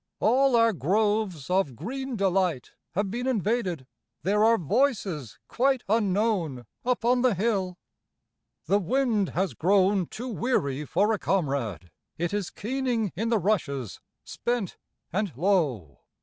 All our groves of green delight have been invaded, There are voices quite unknown upon the hill ; The wind has grown too weary for a comrade, It is keening in the rushes spent and low.